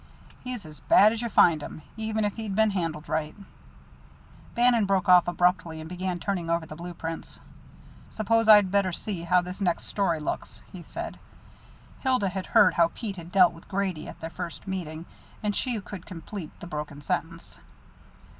"He's as bad as you find 'em. Even if he'd been handled right " Bannon broke off abruptly and began turning over the blue prints. "Suppose I'd better see how this next story looks," he said. Hilda had heard how Pete had dealt with Grady at their first meeting, and she could complete the broken sentence.